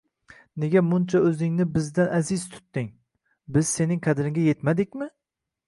Nega muncha o‘zingni bizdan aziz tutding? Biz sening qadringga yetmadikmi?